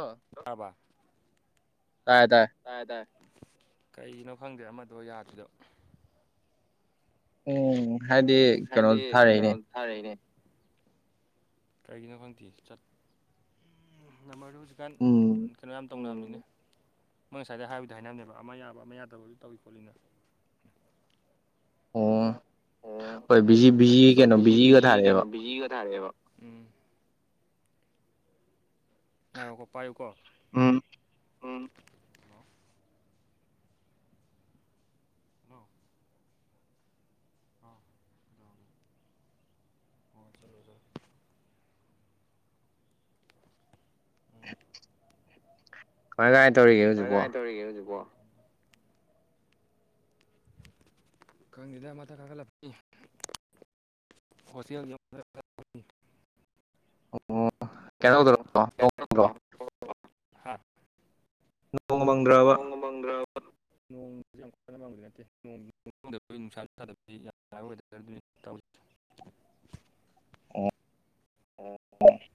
ꯑ [unintelligible] ꯇꯥꯏꯌꯦ ꯇꯥꯏ ꯇꯥꯏ ꯇꯥꯏ ꯀꯩꯅꯣ ꯈꯪꯗꯦ ꯑꯃꯗꯣ ꯌꯥꯗ꯭ꯔꯤꯗꯣ ꯎꯝ ꯍꯥꯏꯗꯤ ꯀꯩꯅꯣ ꯊꯥꯔꯛꯏꯅꯦ ꯐꯔꯦꯅꯦ ꯀꯩꯒꯤꯅꯣ ꯈꯪꯗꯦꯠ ꯆꯠ ꯅꯃꯔꯨ ꯍꯧꯖꯤꯛꯀꯥꯟ ꯀꯩꯅꯣ ꯌꯥꯝ ꯇꯧꯅꯝꯅꯤꯅꯦ ꯃꯣꯏ ꯉꯁꯥꯏꯗ ꯍꯥꯏꯕꯨꯗꯤ ꯍꯥꯏꯅꯅꯦꯕ ꯑꯃ ꯌꯥꯕ ꯑꯃ ꯌꯥꯗꯕ ꯑꯗꯨ ꯇꯧꯏ ꯈꯣꯠꯂꯤꯅ ꯑꯣ ꯍꯣꯏ ꯕꯤꯖꯤ ꯕꯤꯖꯤ ꯀꯩꯅꯣ ꯕꯤꯖꯤꯒ ꯊꯥꯔꯛꯑꯦꯕ ꯕꯤꯖꯤꯒ ꯊꯥꯔꯛꯑꯦꯕ ꯉꯥꯏꯌꯣꯀꯣ ꯄꯥꯏꯌꯨꯀꯣ ꯎꯝ ꯎꯝ [unintelligible] ꯑꯥ ꯑꯣ ꯆꯠꯂꯨ ꯆꯠꯂꯨ [unintelligible] ꯀꯃꯥꯏ ꯀꯃꯥꯏ ꯇꯧꯔꯤꯒꯦ ꯍꯧꯖꯤꯛꯄꯣ ꯀꯪꯗꯦꯗ ꯃꯊꯛ ꯀꯥꯈꯠꯂ ꯐꯝꯃꯤ ꯍꯣꯁꯇꯦꯜ [unintelligible] ꯑꯣ [unintelligible] ꯍꯥ ꯅꯣꯡꯒ ꯃꯪꯗ꯭ꯔ ꯅꯣꯡ [unintelligible] ꯃꯪꯕꯗꯤ ꯅꯠꯇꯦ ꯅꯣꯡꯁꯨ ꯃꯪꯗꯕꯤ ꯅꯨꯡꯁꯥꯁꯨ ꯁꯥꯗꯕꯤ ꯌꯥꯔꯔꯣꯏꯗ ꯑꯗꯨꯗꯤ ꯇꯧꯔꯤꯁꯦ [inaudible]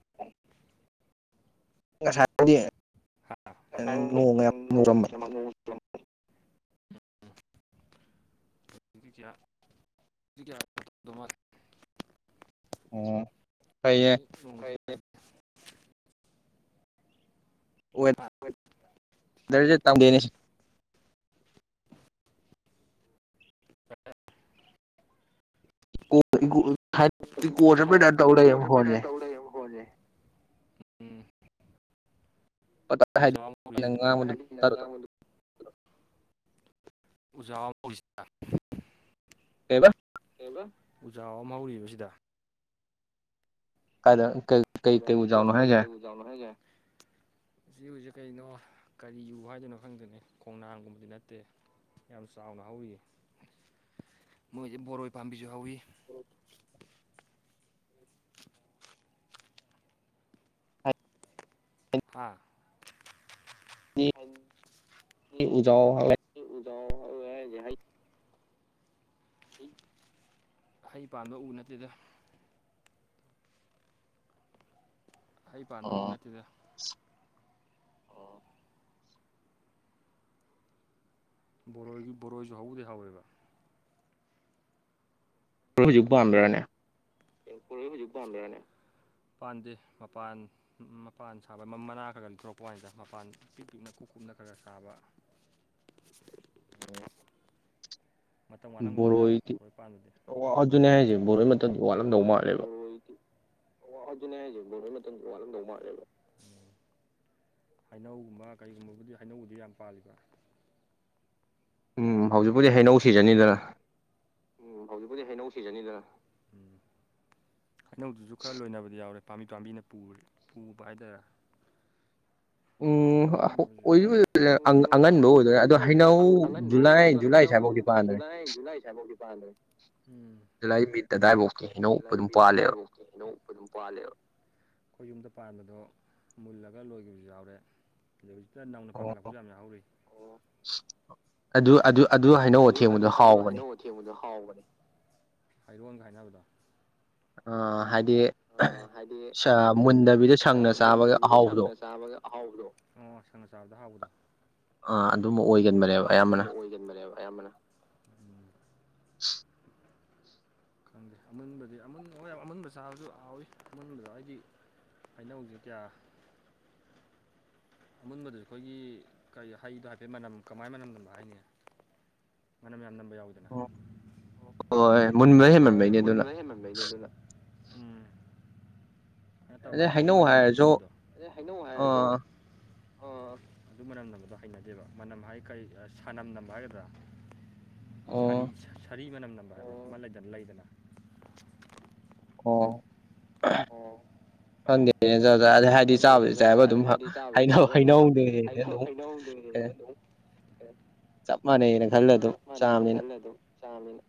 ꯉꯁꯥꯏꯗꯤ ꯅꯣꯡꯒ ꯌꯥꯝ ꯃꯨꯔꯝꯕꯅꯦ [unintelligible] [unintelligible] [unintelligible] [unintelligible] ꯑꯣ ꯥ [unintelligible] [unintelligible] ꯋꯦꯠ ꯗꯔꯁꯤ ꯇꯝꯒꯦꯅꯦ [unintelligible] [unintelligible] ꯏꯀꯣ ꯏꯀꯣ ꯍꯥꯏ ꯏꯀꯣ ꯆꯠꯄꯩ ꯇꯥꯏ ꯏꯀꯣ ꯆꯠꯄꯩ ꯇꯥꯏꯞ ꯇꯧ ꯂꯩꯌꯦꯕ ꯈꯣꯟꯁꯦ ꯄꯨꯖꯥ [unintelligible] ꯎꯖꯥꯎ [unintelligible] ꯀꯩꯕ ꯀꯩꯕ ꯎꯖꯥꯎ ꯑꯃ ꯍꯧꯔꯤꯕꯁꯤꯗ ꯀꯥꯏꯗ ꯀꯩ-ꯀꯩ-ꯀꯩ ꯎꯖꯥꯎꯅꯣ ꯍꯥꯏꯖꯦ ꯎꯖꯥꯎꯅꯣ ꯍꯥꯏꯖꯦ ꯁꯤ ꯎꯖꯤ ꯀꯩꯅꯣ ꯀꯔꯤ ꯎ ꯍꯥꯏꯗꯣꯅꯣ ꯈꯪꯗꯦꯅꯦ ꯈꯣꯡꯅꯥꯡ ꯒꯨꯝꯕꯗꯤ ꯅꯠꯇꯦ ꯌꯥꯝ ꯆꯥꯎꯅ ꯍꯧꯔꯤꯌꯦ ꯃꯣꯏꯖꯦ ꯕꯣꯔꯣꯏ ꯄꯥꯝꯕꯤꯁꯨ ꯍꯧꯋꯤ ꯍꯥ ꯍꯥꯏꯗꯤ ꯎꯖꯥꯎ ꯍꯧꯋꯤ ꯍꯥꯏꯁꯤ ꯍꯥꯏ ꯍꯩ ꯍꯩ ꯄꯥꯟꯕ ꯎ ꯅꯠꯇꯦꯗ ꯍꯩ ꯄꯥꯟꯕ ꯎ ꯅꯠꯇꯦꯗ ꯕꯣꯔꯣꯏꯖꯨ ꯕꯣꯔꯣꯏꯁꯨ ꯍꯧꯕꯨꯗꯤ ꯍꯧꯥꯋꯦꯕ [unintelligible] ꯍꯧꯖꯤꯛ ꯄꯥꯟꯕ꯭ꯔꯅꯦ ꯕꯣꯔꯣꯏ ꯍꯨꯖꯤꯛ ꯄꯥꯟꯕ꯭ꯔꯥꯅꯦ ꯄꯥꯟꯗꯦ ꯃꯄꯥꯟ ꯃꯄꯥꯟ ꯁꯥꯕ ꯃ-ꯃꯅꯥ ꯈꯔ ꯈꯔ ꯂꯤꯊꯣꯔꯛꯄ ꯋꯥꯅꯤꯗ ꯃꯄꯥꯟ ꯄꯤꯛ ꯄꯤꯛꯅ ꯀꯨ ꯀꯨꯞꯅ ꯈꯔ ꯈꯔ ꯁꯥꯕ [inaudible] ꯑꯣ ꯕꯣꯔꯣꯏꯗꯤ ꯋꯥ ꯑꯗꯨꯅꯦ ꯍꯥꯏꯁꯦ ꯕꯣꯔꯣꯏ ꯃꯇꯝꯗꯤ ꯋꯥꯠꯂꯝꯗꯧ ꯃꯥꯜꯂꯦꯕ ꯔꯣꯏꯗꯤ ꯑꯣ ꯑꯗꯨꯅꯦ ꯍꯥꯏꯖꯦ ꯕꯣꯔꯣꯏ ꯃꯇꯝꯗꯤ ꯋꯥꯠꯂꯝꯗꯧ ꯃꯥꯜꯂꯦꯕ ꯍꯩꯅꯧꯒꯨꯝꯕ ꯀꯩꯒꯨꯝꯕꯕꯨꯗꯤ ꯍꯩꯅꯧꯕꯨꯗꯤ ꯌꯥꯝ ꯄꯥꯜꯂꯤꯕꯥ ꯎꯝ ꯍꯧꯖꯤꯛꯄꯨꯗꯤ ꯍꯩꯅꯧ ꯁꯤꯖꯟꯅꯤꯗꯅ ꯎꯝ ꯍꯧꯖꯤꯛꯄꯨꯗꯤ ꯍꯩꯅꯧ ꯁꯤꯖꯟꯅꯤꯗꯅ ꯎꯝ ꯍꯩꯅꯧꯗꯨꯁꯨ ꯈꯔ ꯂꯣꯏꯅꯕꯗꯤ ꯌꯥꯎꯔꯦ ꯄꯥꯝꯕꯤ ꯄꯥꯝꯕꯤꯅ ꯄꯨꯔꯦ ꯄꯨꯕ ꯍꯥꯗꯣꯏꯔ ꯈꯔ ꯂꯣꯏꯅꯕꯁꯨ ꯌꯥꯎꯔꯦ ꯎꯝ ꯑꯣꯏꯗꯤ ꯑꯣꯏꯗꯣꯏꯅꯦ ꯑꯉꯟꯕ ꯑꯣꯏꯗꯣꯏꯅꯦ ꯑꯗꯣ ꯍꯩꯅꯎ ꯖꯨꯨꯂꯥꯏ ꯖꯨꯂꯥꯏ ꯁꯥꯏꯐꯥꯎꯗꯤ ꯄꯥꯥꯟꯕꯅꯦ ꯎꯝ ꯖꯨꯂꯥꯏ ꯃꯤꯠ ꯑꯗꯥꯏꯕꯧꯗꯤ ꯍꯩꯅꯧ ꯑꯗꯨꯝ ꯄꯥꯜꯂꯦꯕ ꯍꯩꯅꯧ ꯑꯗꯨꯝ ꯄꯥꯜꯂꯦꯕ ꯑꯩꯈꯣꯏ ꯌꯨꯝꯗ ꯄꯥꯟꯕꯗꯣ ꯃꯨꯜꯂꯒ ꯂꯣꯏꯒꯤꯕꯁꯨ ꯌꯥꯎꯔꯦ ꯑꯗ ꯍꯧꯖꯤꯛꯇ ꯅꯧꯅ ꯄꯥꯟꯈꯠꯂꯛꯄꯁꯨ ꯌꯥꯝ ꯌꯥꯎꯍꯧꯔꯤ ꯑꯗꯨ-ꯑꯗꯨ-ꯑꯗꯨ ꯍꯩꯅꯧ ꯑꯊꯦꯡꯕꯗꯣ ꯍꯥꯎꯕꯅꯤ ꯊꯦꯡꯕꯗꯣ ꯍꯥꯎꯕꯅꯤ ꯍꯩꯔꯣꯟꯒ ꯍꯥꯏꯅꯕꯗꯣ ꯑ ꯍꯥꯏꯗꯤ ꯑ ꯍꯥꯏꯗꯤ ꯁꯥ ꯃꯨꯟꯗꯕꯤꯗ ꯁꯪꯅ ꯆꯥꯕꯒ ꯑꯍꯥꯎꯕꯗꯣ ꯑꯣ ꯁꯪꯅ ꯆꯥꯕꯗ ꯍꯥꯎꯕꯗꯣ ꯑꯥ ꯑꯗꯨꯃ ꯑꯣꯏꯒꯟꯕꯅꯦꯕ ꯑꯌꯥꯝꯕꯅ ꯑꯣꯏꯒꯟꯕꯅꯦꯕ ꯑꯌꯥꯝꯕꯅ ꯈꯪꯗꯦ ꯑꯃꯨꯟꯕꯗꯤ ꯑꯃꯨꯟ ꯍꯣꯏ ꯑꯃꯨꯟꯕ ꯆꯥꯕꯁꯨ ꯍꯥꯎꯏ ꯑꯃꯨꯟꯕꯗꯣ ꯍꯥꯏꯗꯤ ꯍꯩꯅꯧꯖꯦ ꯀꯌꯥ ꯑꯃꯨꯟꯕꯗꯨ ꯑꯩꯈꯣꯏꯒꯤ ꯀꯩ ꯍꯩꯗꯣ ꯍꯥꯏꯐꯦꯠ ꯃꯅꯝ ꯀꯃꯥꯏ ꯃꯅꯝ ꯅꯝꯕ ꯍꯥꯏꯅꯤ ꯃꯅꯝ ꯌꯥꯝ ꯅꯝꯕ ꯌꯥꯎꯋꯤ ꯑꯣ ꯃꯨꯟꯕ ꯍꯦꯃꯟꯕꯩꯅꯦ ꯑꯗꯨꯅ ꯃꯁꯥꯒꯤ ꯃꯅꯝ ꯑꯃ ꯅꯝꯕꯗꯣ ꯑ ꯍꯩꯅꯧ ꯍꯥꯏꯔꯖꯨ ꯑ ꯑꯗꯨ ꯃꯅꯝ ꯅꯝꯕꯗꯣ ꯍꯩꯅꯗꯦꯕ ꯃꯅꯝ ꯍꯥꯏ ꯀꯔꯤ ꯁꯥꯅꯝ ꯅꯝꯕ ꯍꯥꯏꯒꯗ꯭ꯔꯥ ꯁꯥꯔꯤ ꯁꯥꯔꯤ ꯃꯅꯝ ꯅꯝꯕ ꯑꯃ ꯂꯩꯗꯅ ꯂꯩꯗꯅ ꯑꯣ ꯑꯣ ꯈꯪꯗꯦꯅꯦ ꯖꯥꯠ ꯖꯥꯠ ꯑꯗꯩ ꯍꯥꯏꯗꯤ ꯆꯥꯕꯗꯤ ꯆꯥꯏꯕꯣ ꯑꯗꯨꯝ ꯍꯩꯅꯧ ꯍꯩꯅꯧꯅꯦꯅ ꯑꯗꯨꯝ ꯍꯩꯅꯧꯅꯦꯅ ꯑꯗꯨꯝ ꯆꯞ ꯃꯥꯟꯅꯩꯅ ꯈꯜꯂ ꯑꯗꯨꯝ ꯆꯥꯂꯤꯅ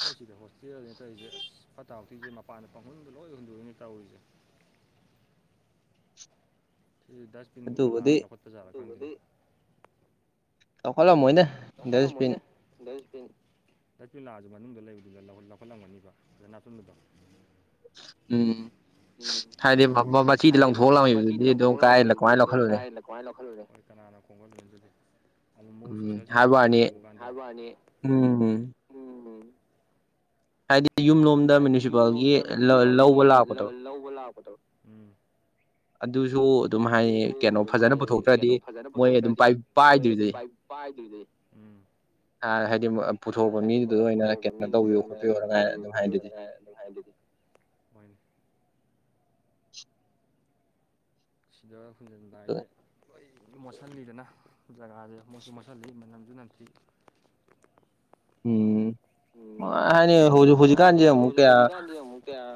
ꯃꯣꯏ ꯁꯤꯗ ꯍꯣꯁꯇꯦꯜ ꯅꯦ ꯇꯧꯔꯤꯖꯦ ꯑꯁ ꯐꯠꯇ ꯍꯥꯎꯊꯤꯁꯦ ꯃꯄꯥꯟꯗ ꯄꯥꯡꯍꯩꯟꯗ ꯂꯣꯏ ꯍꯨꯟꯗꯣꯛꯏꯅꯦ ꯇꯧꯔꯤꯖꯦ ꯁꯤ ꯗꯁꯕꯤꯟꯒꯨꯝꯕ ꯂꯥꯛꯑ ꯂꯧꯈꯠꯄꯖꯥꯠꯂ ꯈꯪꯗꯦ ꯂꯧꯈꯠꯂꯝꯃꯣꯏꯅꯦ ꯂꯧꯈꯠꯂꯝꯃꯣꯏꯅꯦ ꯗꯁꯕꯤꯟ ꯗꯁꯕꯤꯟ ꯂꯥꯛꯑꯁꯨ ꯃꯅꯨꯡꯗ ꯂꯩꯕꯗꯨꯅ ꯂꯧ ꯂꯧꯈꯠꯂꯝꯒꯅꯤꯕ ꯐꯖꯅ ꯑꯆꯨꯝꯕꯗꯣ ꯎꯝ ꯎꯝ ꯍꯥꯏꯗꯤ ꯃ ꯃꯆꯤꯗ ꯂꯪꯊꯣꯛꯑ ꯂꯩꯕꯗꯨꯗꯤ ꯑꯗꯨꯝ ꯀꯥꯏꯗ ꯀꯃꯥꯏꯅ ꯂꯧꯈꯠꯂꯨꯅꯤ ꯀꯅꯥꯅ ꯈꯣꯡꯒꯠ ꯂꯣꯏꯅꯣ ꯑꯗꯨꯗꯤ ꯑꯃꯨꯛ ꯃꯨꯛ ꯁꯣꯁꯦꯜ ꯁꯥꯔꯚꯤꯁꯀꯨꯝꯕ ꯇꯧꯕ ꯀꯥꯟꯗꯅꯤ ꯍꯥꯏꯕꯋꯥꯅꯤ ꯎꯝ ꯍꯥꯏꯗꯤ ꯗꯤ ꯌꯨꯝ ꯂꯣꯝ ꯍꯥꯏꯗꯤ ꯌꯨꯝꯂꯣꯝꯗ ꯃ꯭ꯌꯨꯅꯤꯁꯤꯄꯥꯜꯒꯤ ꯂꯧꯕ ꯂꯥꯛꯄꯗꯣ ꯑꯗꯨꯁꯨ ꯑꯗꯨꯝ ꯍꯥꯏꯌꯦ ꯀꯩꯅꯣ ꯐꯖꯅ ꯄꯨꯊꯣꯛꯇ꯭ꯔꯗꯤ ꯃꯣꯏ ꯑꯗꯨꯝ ꯄꯥꯏ ꯄꯥꯏꯗꯣꯏꯗꯤ ꯑ ꯍꯥꯏꯗꯤ ꯑ ꯍꯥꯏꯗꯤ ꯄꯨꯊꯣꯛꯄ ꯃꯤꯗꯨꯗ ꯑꯣꯏꯅ ꯀꯩꯅꯣ ꯇꯧꯕꯤꯌꯨ ꯈꯣꯠꯄꯤꯌꯣꯅ ꯑꯗꯨꯝ ꯍꯥꯏꯗꯨꯗꯤ ꯍꯣꯏꯅꯦ [unintelligible] ꯁꯤꯗ ꯍꯨꯟꯖꯤꯟꯕ ꯍꯥꯏꯖꯦ ꯂꯣꯏ ꯃꯣꯠꯁꯤꯜꯂꯤꯗꯅ ꯖꯒꯥꯁꯦ ꯃꯣꯠꯁꯨ ꯃꯣꯠꯁꯤꯜꯂꯤ ꯃꯅꯝꯁꯨ ꯅꯝꯊꯤ ꯎꯝ ꯍꯥꯏꯗꯤ ꯍꯧꯖꯤꯛ ꯍꯧꯖꯤꯛ ꯀꯥꯟꯗꯤ ꯀꯌꯥ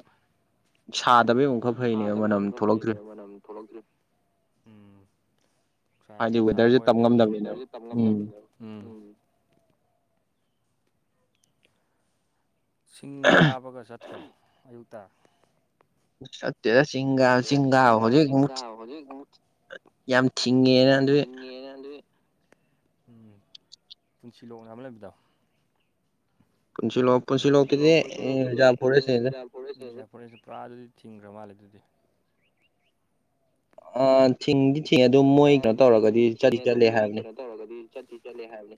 ꯁꯥꯗꯕꯩ ꯑꯃꯨꯛ ꯁꯥꯗꯕꯩ ꯑꯃꯨꯛ ꯈꯔꯥ ꯐꯩꯅꯦꯕ ꯃꯅꯝ ꯊꯣꯛꯂꯛꯇ꯭ꯔꯤꯁꯦ ꯎꯝ ꯅꯨꯡꯁꯥ ꯌꯥꯝ ꯀꯟ ꯁꯥꯕ ꯑꯣꯏꯔꯗꯤ ꯍꯥꯏꯗꯤ ꯋꯦꯗꯔꯖꯦ ꯇꯝ ꯉꯝꯗꯝꯅꯤꯅ ꯎꯝ ꯁꯤꯡ ꯀꯥꯕꯒ ꯆꯠꯇ꯭ꯔꯣ ꯑꯌꯨꯛꯇ ꯆꯠꯇꯦꯗ ꯆꯤꯡꯒꯥ ꯆꯤꯡ ꯀꯥꯕ ꯍꯧꯖꯤꯛ ꯑꯃꯨꯛ ꯊꯤ ꯌꯥꯝ ꯊꯤꯡꯉꯦꯅ ꯑꯗꯨꯏ ꯎꯝ ꯄꯨꯟꯁꯤ ꯂꯣꯛꯅ ꯑꯃ ꯂꯩꯕꯗꯣ ꯄꯨꯟꯁꯤ ꯂꯣꯛ ꯄꯨꯟꯁꯤ ꯂꯣꯛꯀꯤꯗꯤ ꯔꯤꯖꯥꯔꯕ ꯐꯣꯔꯦꯁꯅꯤꯗ ꯐꯣꯔꯦꯁꯅꯤꯅ ꯐꯣꯔꯦꯁ ꯁꯦ ꯄꯨꯔꯥ ꯑꯗꯨꯗꯤ ꯊꯤꯡꯒ꯭ꯔ ꯃꯥꯜꯂꯦ ꯑꯗꯨꯗꯤ ꯑ ꯊꯤꯡꯗꯤ ꯑ ꯊꯤꯡꯗꯤ ꯊꯤꯡꯉꯦ ꯑꯗꯨ ꯃꯣꯏ ꯀꯩꯅꯣ ꯇꯧꯔꯒꯗꯤ ꯆꯠꯇꯤ ꯆꯠꯂꯦ ꯍꯥꯏꯕꯅꯤ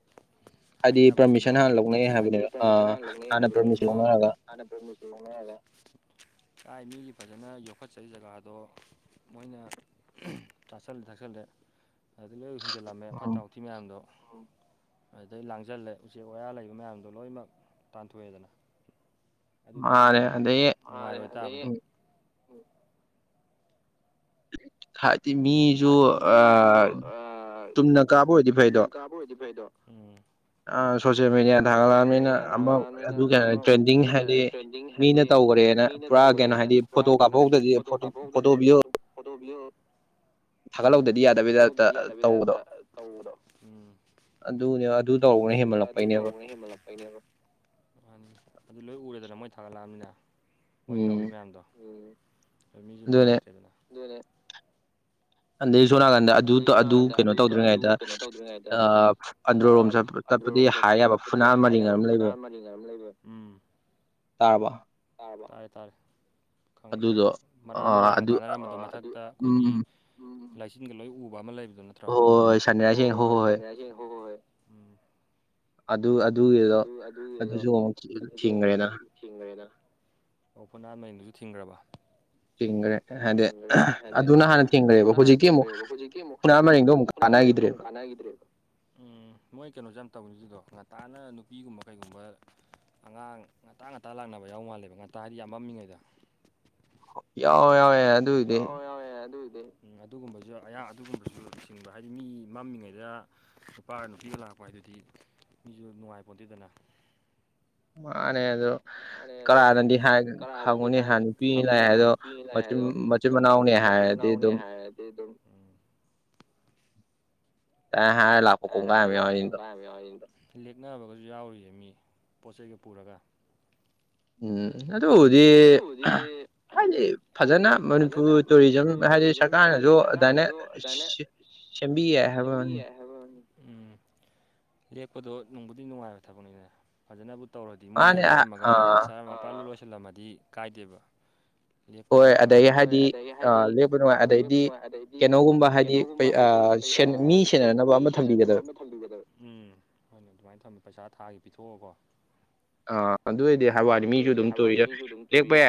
ꯍꯥꯏꯅꯕ ꯈꯣꯠꯄ ꯇꯧꯔꯒ ꯍꯥꯏꯗꯤ ꯄꯔꯃꯤꯁꯟ ꯍꯥꯟꯅ ꯂꯧꯅꯩ ꯍꯥꯏꯕꯅꯦꯕ ꯑ ꯍꯥꯟꯅ ꯄ꯭ꯔꯃꯤꯁꯟ ꯂꯧꯅꯔꯒ ꯆꯥꯏ ꯃꯤꯒꯤ ꯐꯖꯅ ꯌꯣꯛꯈꯠꯆꯔꯤ ꯖꯒꯥꯗꯣ ꯃꯣꯏꯅ ꯆꯥꯁꯤꯜ ꯊꯛ ꯂꯦ ꯑꯗꯨ ꯂꯣꯏ ꯍꯨꯟꯖꯤꯜꯂꯝꯃꯦ ꯐꯠꯇ ꯍꯥꯎꯊꯤ ꯃꯌꯥꯝꯗꯣ ꯑꯗꯨꯗꯩ ꯂꯥꯡꯁꯤꯜꯂꯦ ꯎꯆꯦꯛ ꯋꯥꯌꯥ ꯂꯩꯕ ꯃꯌꯥꯝꯗꯣ ꯂꯣꯏꯅꯃꯛ ꯇꯥꯟꯊꯣꯛꯑꯦꯗꯅ ꯑꯗꯨꯗꯤ ꯃꯤꯁꯨ [unintelligible] ꯍꯥꯏꯕꯗꯤ ꯃꯤꯁꯨ ꯇꯨꯝꯅ ꯀꯥꯕ ꯑꯣꯏꯗꯤ ꯐꯩꯗꯣ ꯑ ꯁꯣꯁꯦꯜ ꯃꯦꯗꯤꯌꯥ ꯊꯥꯒꯠꯂꯑꯕꯅꯤꯅ ꯇ꯭ꯔꯦꯟꯗꯤꯡ ꯍꯥꯏꯗꯤ ꯃꯤꯅ ꯇꯧꯈ꯭ꯔꯦꯅ ꯄꯨꯔꯥ ꯀꯩꯅꯣ ꯍꯥꯏꯗꯤ ꯐꯣꯇꯣ ꯀꯥꯞꯄ ꯍꯧꯗ꯭ꯔꯗꯤꯦꯇ ꯐꯣꯇꯣ ꯚꯤꯗꯤꯑꯣ ꯎꯝ ꯊꯥꯒꯠꯍꯧꯗꯗꯤ ꯌꯥꯗꯕꯩ ꯇꯥꯏꯞ ꯇ ꯇꯧꯕꯗꯣ ꯎꯝ ꯑꯗꯨꯅꯦ ꯑꯗꯨ ꯇꯧꯔꯨꯒꯅ ꯍꯦꯟꯃꯠꯂꯛꯄꯩꯅꯦꯕ ꯑꯗꯨ ꯂꯣꯏ ꯎꯔꯦꯗꯅ ꯃꯣꯏ ꯊꯥꯒꯠꯂꯛꯑꯕꯅꯤꯅ ꯃꯣꯏ ꯇꯧꯔꯤ ꯃꯌꯥꯝꯗꯣ ꯎꯝ ꯃꯤꯁꯨ ꯅꯨꯡꯉꯥꯏꯇ꯭ꯔꯦꯗꯅ ꯑꯗꯩ ꯁꯣꯅꯥꯀꯥꯟꯗ ꯑꯗꯨ ꯑꯗꯨ ꯀꯩꯅꯣ ꯇꯧꯗ꯭ꯔꯤꯉꯩꯗ ꯑꯟꯗ꯭ꯔꯣ ꯔꯣꯝ ꯆꯠ ꯑꯟꯗ꯭ꯔꯣꯔꯣꯝ ꯆꯠꯄꯗꯤ ꯍꯥꯏ ꯌꯥꯕ ꯐꯨꯅꯥꯜ ꯃꯔꯤꯡ ꯉ ꯑꯃ ꯂꯩꯔꯦ ꯇꯥꯔꯕ ꯇꯥꯔꯕꯣ ꯇꯥꯔꯦ ꯇꯥꯔꯦ ꯈꯪꯉꯦ ꯈꯪꯉꯦ ꯃꯔꯛ ꯑꯃ ꯌꯥꯝ ꯀꯥꯟꯅꯔꯝꯕꯗ ꯃꯊꯛꯇ ꯑꯩꯈꯣꯏꯒꯤ ꯎ ꯂꯥꯏꯆꯤꯟꯒ ꯂꯣꯏ ꯎꯕ ꯑꯃ ꯂꯩꯕꯗꯨꯣ ꯅꯠꯇ꯭ꯔꯣ ꯍꯣꯏ ꯍꯣꯏ ꯍꯣꯏ ꯍꯣꯏ ꯁꯟꯙ꯭ꯌꯥ ꯑꯗꯨ ꯑꯗꯨ ꯑꯗꯨ ꯑꯗꯨꯒꯤꯔꯣ ꯑꯗꯨꯁꯨ [unintelligible] ꯊꯤꯡꯈ꯭ꯔꯦꯗ ꯑꯣ ꯐꯅꯜ ꯃꯔꯤꯡꯗꯨꯁꯨ ꯊꯤꯡꯈ꯭ꯔꯕ ꯊꯤꯡꯒ꯭ꯔꯦ ꯍꯥꯏꯗꯦ ꯑꯗꯨꯅ ꯍꯥꯟ ꯊꯅꯔꯦꯕ ꯍꯧꯖꯤꯛꯀꯤ ꯑꯃꯨꯛ ꯐꯨꯅꯥꯜ ꯃꯔꯤꯡꯗꯣ ꯑꯃꯨꯛ ꯀꯥꯟꯅꯒꯤꯗ꯭ꯔꯦꯕ ꯎꯝ ꯃꯣꯏ ꯀꯩꯅꯣꯁꯦ ꯌꯥꯃ ꯇꯧꯕꯅꯤ ꯑꯗꯨꯗꯣ ꯅꯪꯅ ꯅꯨꯄꯤꯒꯨꯝꯕ ꯀꯩꯒꯨꯝꯕ ꯑꯉꯥꯡ ꯉꯇ ꯉꯥꯛꯇꯥ ꯂꯥꯛꯅꯕ ꯌꯥꯎ ꯃꯥꯜꯂꯦꯕ ꯉꯥꯛꯇ ꯍꯥꯏꯗꯤ ꯌꯥꯝ ꯃꯝꯃꯤꯉꯩꯗ ꯌꯥꯎꯋꯦ ꯌꯥꯎꯋꯦ ꯌꯥꯎꯋ ꯌꯥꯎ ꯌꯥ ꯑꯗꯨꯏꯗꯤ ꯑꯗꯨꯒꯨꯝꯕꯁꯨ ꯑꯌꯥ ꯑꯗꯨꯒꯨꯝꯕꯁꯨ ꯆꯤꯡꯕ ꯍꯥꯏꯗꯤ ꯃꯤ ꯃꯝꯃꯤꯉꯩꯗ ꯅꯨꯄꯥꯒ ꯅꯨꯄꯤꯒ ꯂꯥꯛꯄ ꯍꯥꯏꯗꯨꯗꯤ ꯃꯤꯁꯨ ꯅꯨꯡꯉꯥꯏꯄꯣꯟꯇꯦꯗꯅ ꯃꯥꯅꯦ ꯑꯗꯨ ꯀꯔꯥꯅꯗꯤ ꯍꯪꯉꯨꯅꯤ ꯍꯥꯏꯥꯟ ꯅꯨꯄꯤ ꯂꯥꯛ ꯑꯗꯣ ꯆꯤꯟ ꯃꯅꯥꯎꯅꯤ ꯍꯥꯏꯔꯗꯤ ꯑꯗꯨꯝ ꯑꯦ ꯍꯦ ꯂꯥꯛ ꯍꯥꯏ ꯂꯥꯛꯄ ꯈꯣꯡꯒ ꯌꯥꯎ ꯂꯦꯛꯅꯕꯒꯁꯨ ꯌꯥꯎꯔꯤꯌꯦ ꯃꯤ ꯄꯣꯠ ꯆꯩꯩꯒ ꯄꯨꯔꯒ ꯎꯝ ꯑꯗꯨꯕꯨꯗꯤ ꯍꯥꯏꯗꯤ ꯐꯖꯅ ꯃꯅꯤꯄꯨꯔ ꯇꯨꯔꯤꯖꯝ ꯍꯥꯏꯗꯤ ꯁꯔꯀꯥꯔꯅꯁꯨ ꯑꯗꯨꯃꯥꯏꯅ ꯁꯦꯝꯕꯤꯌꯦ ꯍꯥꯏꯕ ꯎꯝ ꯂꯦꯛꯄꯗꯣ ꯅꯨꯡꯕꯨꯗꯤ ꯅꯨꯡꯉꯥꯏꯕ ꯊꯕꯛꯅꯤꯅ ꯐꯖꯅꯕꯨ ꯇꯧꯔꯗꯤ ꯃꯣꯏꯅ ꯂꯦꯛꯑꯝꯃꯒꯥ ꯃꯄꯥꯟ ꯂꯣꯏꯁꯤꯜꯂꯝꯃꯗꯤ ꯀꯥꯏꯗꯦꯕ ꯂꯦꯞꯄꯖꯨ ꯅꯨꯡꯉꯥꯏꯅꯤ ꯍꯣꯏ ꯑꯗꯩ ꯍꯥꯏꯗꯤ ꯑꯥ ꯂꯦꯞꯄ ꯅꯨꯡꯉꯥꯏ ꯑꯗꯩꯗꯤ ꯀꯦꯅꯣꯒꯨꯝꯕ ꯍꯥꯏꯗꯤ꯫ ꯑꯥ ꯁꯦꯟ ꯃꯤ ꯁꯦꯟꯅꯅꯕ ꯑꯃ ꯊꯝꯕꯤꯒꯗꯕ ꯎꯝ ꯍꯣꯏꯅꯦ ꯑꯗꯨꯃꯥꯏꯅ ꯊꯝꯃꯦ ꯄꯩꯁꯥ ꯊꯥꯒꯤ ꯄꯤꯊꯣꯛꯑꯀꯣ꯫ ꯑ ꯑꯗꯨꯏꯗꯤ ꯍꯥꯏꯋꯥꯅꯤ ꯃꯤꯖꯨ ꯑꯗꯨꯝ ꯇꯧꯔꯤꯗ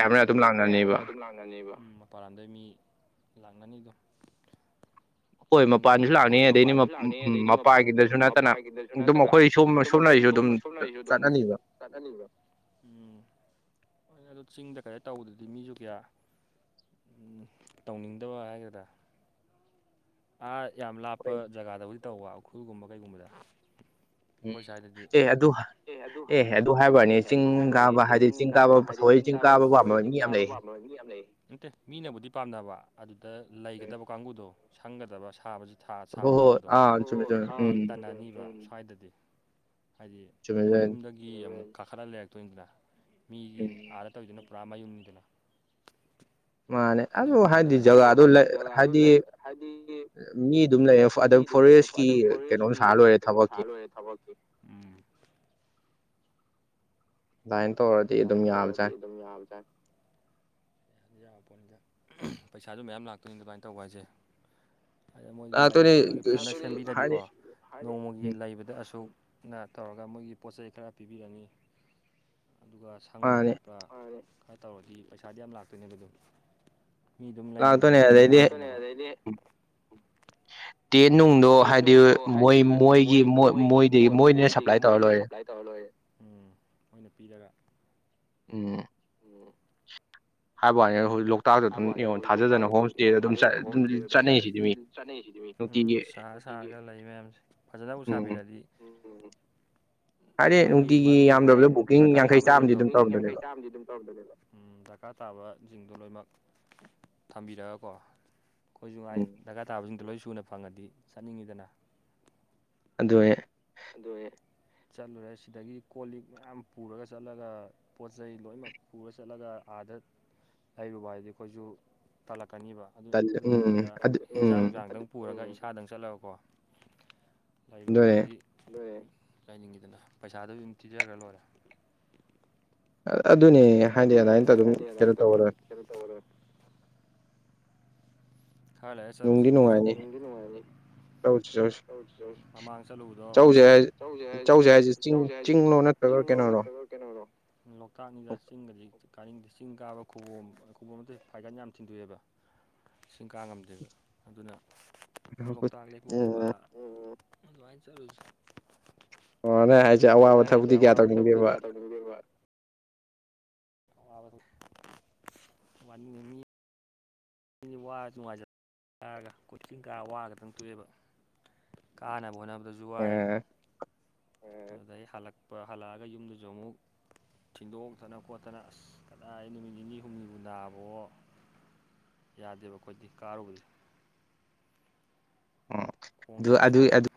ꯀꯄ ꯌꯥꯏ ꯍꯥꯏꯕꯅ ꯑꯗꯨꯝ ꯂꯥꯛꯅꯅꯦꯕ ꯃꯄꯥꯟ ꯂꯝꯗꯩ ꯃꯤ ꯂꯥꯛꯅꯅꯤꯗꯣ ꯆꯤꯡꯗ ꯀꯩꯗ [unintelligible] ꯍꯣꯏ ꯃꯄꯥꯟꯁꯨ ꯂꯥꯛꯅꯤ ꯑꯗꯩꯗꯤ ꯃꯄꯥꯒꯤꯗꯁꯨ ꯅꯠꯇꯅ ꯑꯗꯨꯝ ꯑꯩꯈꯣꯏ ꯁꯣꯝ [unintelligible] ꯑꯗꯨꯝ ꯆꯠꯍꯟꯅꯤꯡꯕ ꯎꯝ ꯍꯣꯏ ꯑꯗꯨ ꯆꯤꯡꯗ ꯀꯩꯗ ꯇꯧꯕꯗꯨꯗꯤ ꯃꯤꯁꯨ ꯀꯌꯥ ꯎꯝ ꯇꯧꯅꯤꯡꯗꯕ ꯍꯥꯏꯒꯗ꯭ꯔꯥ꯫ ꯑꯥ ꯌꯥꯝ ꯂꯥꯞꯄ ꯖꯒꯥꯗꯕꯨꯗꯤ ꯇꯧꯕ ꯎꯈ꯭ꯔꯨꯜꯒꯨꯝꯕ ꯀꯩꯒꯨꯝꯕꯗ꯫ ꯑꯩꯈꯣꯏ ꯁꯥꯏꯗꯗꯤ ꯑꯦ ꯑꯗꯨ ꯑꯦꯍ ꯑꯗꯨ ꯍꯥꯏꯕꯋꯥꯅꯤ ꯆꯤꯡ ꯀꯥꯕ ꯍꯥꯏꯗꯤ ꯆꯤꯡ ꯀꯥꯕ ꯊꯑꯣꯏ ꯆꯤꯡ ꯀꯥꯕ ꯄꯥꯝ ꯃꯥꯔꯖꯤꯡ ꯌꯥꯝ ꯂꯩꯌꯦ꯫ ꯅꯠꯇꯦ ꯃꯤꯅꯕꯨꯗꯤ ꯄꯥꯝꯅꯕ ꯑꯗꯨꯗ ꯂꯩꯒꯗꯕ ꯀꯥꯡꯕꯨꯗꯣ ꯁꯪꯒꯗꯕ ꯁꯥꯕ ꯁꯥ ꯁꯥꯕ ꯇꯧꯕꯗꯣ ꯃꯤ ꯇꯟꯅꯅꯤꯕ ꯁ꯭ꯋꯥꯏꯗꯗꯤ ꯍꯥꯏꯗꯤ ꯃꯌꯨꯝꯗꯒ ꯒꯤ ꯑꯃꯨꯛ ꯀꯥꯈꯠꯂꯒ ꯂꯩꯔꯛꯇꯣꯏꯅꯤꯗꯅ ꯃꯤꯒꯤ ꯑꯥꯗ ꯇꯧꯋꯤꯗꯨꯅ ꯄꯨꯔꯥ ꯃꯌꯨꯝꯅꯤꯗꯅ ꯃꯥꯅꯦ ꯑꯗꯨ ꯍꯥꯏꯗꯤ ꯖꯒꯥꯗꯣ ꯂꯩ ꯍꯥꯏꯗꯤ ꯃꯤ ꯑꯗꯨꯝ ꯂꯩꯌꯦꯐ ꯑꯗ ꯐꯣꯔꯦꯁ꯫ ꯀꯤ ꯀꯩꯅꯣꯝ ꯁꯥ ꯂꯣꯏꯔꯦ ꯊꯕꯛꯀꯤ꯫ ꯗꯥꯏꯟ ꯇꯧꯔꯗꯤ ꯑꯗꯨꯝ ꯌꯥꯕꯖꯥꯟ ꯌꯥꯕ ꯄꯣꯠꯅꯤꯗ ꯄꯩꯁꯥꯁꯨ ꯃꯌꯥꯝ ꯂꯥꯛꯇꯣꯏꯅꯤ ꯑꯗꯨꯃꯥꯏꯟ ꯇꯧꯕ ꯍꯥꯏꯖꯦ ꯑꯗ ꯃꯣꯏꯒꯤ ꯂꯩꯕ ꯈꯣꯠꯇꯄꯒꯤ ꯐꯖꯅ ꯁꯦꯝꯕꯤꯔꯗꯤꯀꯣ ꯅꯣꯡꯃꯒꯤ ꯂꯩꯕꯗ ꯑꯁꯨꯛ꯫ ꯅ ꯇꯧꯔꯒ ꯃꯣꯏꯒꯤ ꯄꯣꯠ ꯆꯩ ꯈꯔ ꯄꯤꯕꯤꯔꯅꯤ꯫ ꯑꯗꯨꯒ ꯁꯪꯕ ꯈꯣꯠꯄ ꯈꯔ ꯇꯧꯔꯗꯤ ꯄꯩꯁꯥꯗꯤ ꯌꯥꯝ ꯂꯥꯛꯇꯣꯏꯅꯦꯕ ꯑꯗꯨ ꯃꯤ ꯑꯗꯨꯝ ꯂꯩꯅꯤꯡꯕ ꯂꯦꯛꯅꯤꯡꯕ ꯃꯌꯥꯝ ꯂꯩ ꯇꯦꯟ ꯅꯨꯡꯗꯣ ꯇꯦꯟꯅꯨꯡꯗꯣ ꯍꯥꯏꯗꯤ ꯃꯣꯏ ꯃꯣꯏꯒꯤ ꯃꯣꯏ ꯃꯣꯏꯗꯩ ꯃꯣꯏꯅ ꯁꯄ꯭ꯂꯥꯏ꯫ ꯇꯧꯔ ꯂꯣꯏꯔꯦ ꯎꯝ ꯃꯣꯏꯅ ꯄꯤꯔꯒ꯫ ꯎꯝ ꯎꯝ ꯍꯥꯏꯕꯋꯥꯅꯤ ꯍꯨꯛ ꯂꯣꯛ ꯍꯥꯏꯕꯋꯥꯅꯤ ꯍꯧꯖꯤ ꯂꯣꯛꯇꯥꯛꯗ ꯗꯨꯝ ꯌꯦꯡꯉꯣ ꯊꯥꯖꯗꯅ ꯍꯣꯝ ꯁꯇꯦꯗꯣ ꯑꯗꯨꯝ ꯆꯠ ꯗꯨꯝ ꯆꯠꯅꯩꯁꯤꯗꯤ ꯃꯤ꯫ ꯎꯝ ꯁꯥꯔ ꯁꯥꯔꯒ ꯂꯩ ꯃꯌꯥꯝꯖꯦ ꯐꯖꯅꯕꯨ ꯁꯥꯕꯤꯔꯗꯤ꯫ ꯃꯣꯏꯒꯤ ꯃꯔꯨ ꯑꯣꯏꯕ ꯗꯔꯀꯥꯔ ꯇꯥꯕꯖꯤꯡꯗꯣ ꯕꯨꯀꯤꯡ ꯌꯥꯡꯈꯩ ꯆꯥꯝꯃꯗꯤ ꯗꯨꯝ ꯇꯧꯗꯣꯔꯦꯕ ꯎꯝ ꯗꯔꯀꯥꯔ ꯇꯥꯕꯖꯤꯡꯗꯣ ꯂꯣꯏꯃꯛ ꯊꯝꯕꯤꯔꯒꯀꯣ ꯈꯣꯏꯖꯨ ꯉꯥꯏ ꯗꯔꯀꯥꯔ ꯇꯥꯕꯖꯤꯡꯗꯣ ꯂꯣꯏ ꯁꯨꯅ ꯐꯪꯉꯗꯤ ꯆꯠꯅꯤꯡꯉꯤꯗꯅ꯫ ꯑꯗꯨꯌꯦ ꯑꯗꯨꯌꯦ ꯆꯠꯂꯨꯔꯦ ꯁꯤꯗꯒꯤ ꯀꯣꯜ ꯂꯤꯛ ꯃꯌꯥꯝ ꯄꯨꯔꯒ ꯆꯠꯂꯒ꯫ ꯄꯣꯠ ꯆꯩ ꯂꯣꯏꯅꯃꯛ ꯄꯨꯔ ꯆꯠꯂꯒ ꯑꯥꯗ꯫ ꯂꯩꯔꯨꯕ ꯍꯥꯏꯗꯤ ꯈꯣꯏꯖꯨ ꯇꯜꯂꯛꯀꯅꯤꯕ ꯑꯗꯨ ꯑꯗꯨ ꯅꯠꯇꯕꯤꯗ ꯍꯦꯟꯖꯥꯡ ꯅꯨꯡꯖꯥꯟꯗꯪ꯫ ꯄꯨꯔꯒ ꯏꯁꯥꯗꯪ ꯆꯠꯂꯒꯀꯣ ꯂꯩꯔꯨꯕꯗꯨꯗꯤ꯫ ꯂꯣꯏ ꯂꯩꯅꯤꯡꯉꯤꯗꯅ ꯄꯩꯁꯥꯗꯨ ꯑꯗꯨꯝ ꯊꯤꯖꯒꯔ꯭ ꯂꯣꯏꯔꯦ ꯑ ꯑꯗꯨꯅꯦ ꯍꯥꯏꯗꯤ ꯑꯗꯥꯏꯟꯇ ꯑꯗꯨꯝ ꯀꯩꯅꯣ ꯇꯧꯕꯗ꯫ ꯀꯩꯅꯣ ꯇꯧꯒꯗꯝ ꯈꯔꯥ ꯂꯩꯔ ꯆꯠꯂꯨꯖꯤ ꯈꯣꯏꯖꯨ ꯫ ꯆꯧꯖꯤ ꯆꯧꯁꯤ ꯃꯃꯥꯡ ꯆꯠꯂꯨꯕꯗꯣ ꯆꯧꯖꯦ ꯍꯥꯏ ꯆꯧꯖꯦ ꯍꯥꯏꯖꯦ ꯆꯤꯡ ꯆꯤꯡꯂꯣ ꯅꯠꯇ꯭ꯔꯥꯒ ꯀꯩꯅꯔꯣ ꯂꯣꯛꯇꯥꯛꯅꯤꯗ ꯆꯤꯡꯒꯥꯗꯤ ꯀꯥꯅꯤꯡꯗꯦ ꯆꯤꯡ ꯀꯥꯕ ꯈꯨꯕꯣꯝ ꯈꯨꯕꯣꯝ ꯅꯠꯇꯦ ꯐꯥꯏꯒꯥꯟ ꯌꯥꯝ ꯊꯤꯟꯗꯣꯛꯑꯦꯕ ꯁꯤꯡ ꯀꯥꯉꯝꯗꯦꯕ ꯑꯗꯨꯅ ꯂꯣꯛꯇꯥꯛ ꯂꯦꯛꯄꯒꯨꯝꯕ ꯑꯣ ꯑꯗꯨꯃꯥꯏꯟ ꯆꯠꯂꯨꯖꯤ ꯑꯣ ꯅꯣꯏ ꯍꯥꯏꯖꯦ ꯑꯋꯥꯕ ꯊꯕꯛꯇꯤ ꯀꯌꯥ ꯇꯧꯅꯤꯡꯗꯦꯕ [unintelligible] ꯑꯋꯥꯕ ꯊꯕꯛ ꯋꯥꯅꯤꯡꯗ ꯃꯤ ꯃꯤꯗꯤ ꯋꯥꯔꯖꯨ ꯅꯨꯡꯉꯥꯏꯖ ꯍꯥꯏꯔꯒ ꯈꯣꯏ ꯆꯤꯡ ꯀꯥ ꯋꯥꯔ ꯒꯥꯇꯪ ꯇꯣꯛꯑꯦꯕ ꯀꯥꯟꯅꯕ ꯍꯣꯠꯅꯕꯗꯖꯨ ꯋꯥꯏ ꯑꯥ ꯑꯗꯨꯗꯩ ꯍꯜꯂꯛꯄ ꯍꯜꯂꯛꯑꯒ ꯌꯨꯝꯗꯥꯖꯨ ꯑꯃꯨꯛ ꯊꯤꯟꯗꯣꯛꯇꯅ ꯈꯣꯠꯇꯅ ꯑꯁ ꯀꯗꯥꯏ ꯅꯨꯃꯤꯠ ꯅꯤꯅꯤ ꯍꯨꯝꯅꯤꯕꯨ ꯅꯥꯕꯣ ꯌꯥꯗꯦꯕ ꯑꯈꯣꯏꯗꯤ ꯀꯥꯔꯨꯕꯖꯦ ꯎꯝ ꯈꯣꯡꯖꯦ ꯌꯥꯝ ꯁꯣꯜꯂꯦꯕ